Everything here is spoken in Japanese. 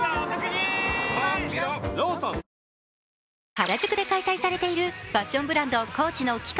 原宿で開催されているファッションブランド、ＣＯＡＣＨの期間